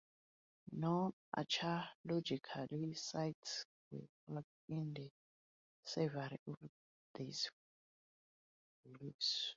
No archaeological sites were found in the survey of these valleys.